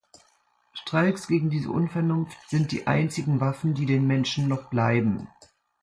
Streiks gegen diese Unvernunft sind die einzigen Waffen, die den Menschen noch bleiben.